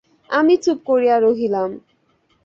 আমি চুপ করিয়া রহিলাম।